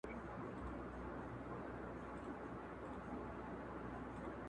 سیاه پوسي ده، خاوري مي ژوند سه~